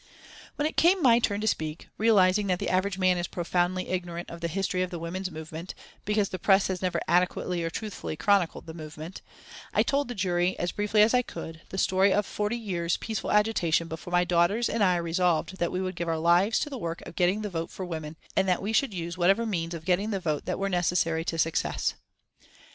When it came my turn to speak, realising that the average man is profoundly ignorant of the history of the women's movement because the press has never adequately or truthfully chronicled the movement I told the jury, as briefly as I could, the story of the forty years' peaceful agitation before my daughters and I resolved that we would give our lives to the work of getting the vote for women, and that we should use whatever means of getting the vote that were necessary to success.